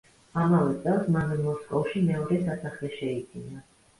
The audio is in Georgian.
ამავე წელს მან მოსკოვში მეორე სასახლე შეიძინა.